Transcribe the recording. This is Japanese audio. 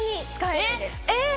えっ！